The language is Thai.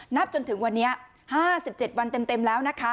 นับจนถึงวันนี้ห้าสิบเจ็ดวันเต็มเต็มแล้วนะคะ